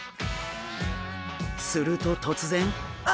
すると突然！